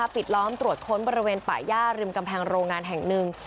ปิดล้อมตรวจค้นบริเวณป่าย่าริมกำแพงโรงงานแห่งหนึ่ง